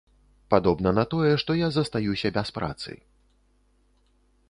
Падобна на тое, што я застаюся без працы.